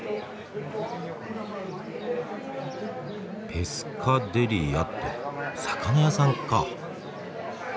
ペスカデリアって魚屋さんか。